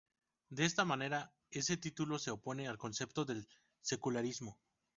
De esta manera, este título se opone al concepto del secularismo.